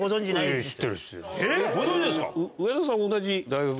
ご存じですか！